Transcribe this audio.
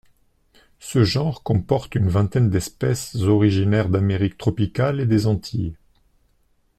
Ce genre compte une vingtaine d'espèces originaires d'Amérique tropicale et des Antilles.